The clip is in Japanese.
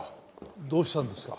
どうしたんですか？